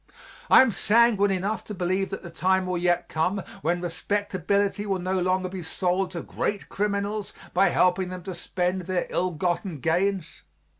I am sanguine enough to believe that the time will yet come when respectability will no longer be sold to great criminals by helping them to spend their ill gotten gains.